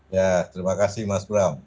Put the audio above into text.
ya terima kasih mas bram